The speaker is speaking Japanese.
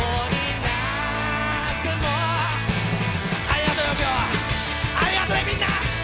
ありがとね、みんな。